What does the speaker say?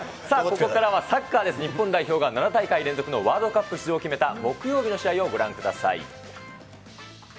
さあ、ここからはサッカーです、日本代表が７大会連続のワールドカップ出場を決めた木曜日の試合をご覧ください。